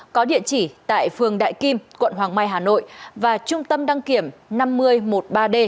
có địa chỉ tại phường đại kim quận hoàng mai hà nội và trung tâm đăng kiểm năm nghìn một mươi ba d